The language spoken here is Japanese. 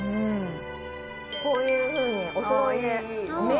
こういうふうにおそろいで。